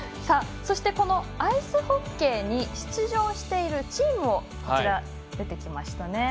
そして、このアイスホッケーに出場しているチームが出てきました。